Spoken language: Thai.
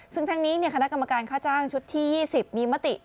ซึ่งทั้งนี้คณะกรรมการค่าจ้างชุดที่๒๐มีมติ